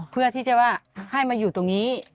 เพื่อที่จะว่าให้มาอยู่ตรงนี้